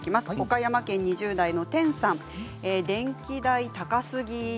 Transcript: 岡山県２０代の方電気代、高すぎ。